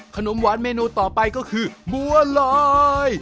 ขนมหวานเมนูต่อไปก็คือบัวลอย